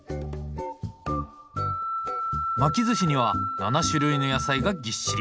巻きずしには７種類の野菜がぎっしり。